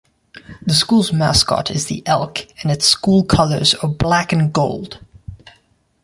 The school's mascot is the elk and its school colors are black and gold.